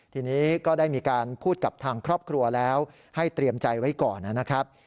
ทีนี้ก็ได้มีการพูดกับทางครอบครัวแล้วให้เตรียมใจไว้ก่อนนะครับ